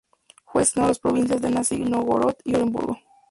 Fue destinado a las provincias de Nizhni Nóvgorod y Oremburgo.